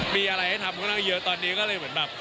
มีอะไรให้ทำค่อนข้างเยอะตอนนี้ก็เลยเหมือนแบบ